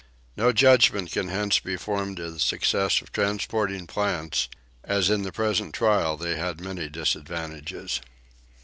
No judgment can hence be formed of the success of transporting plants, as in the present trial they had many disadvantages.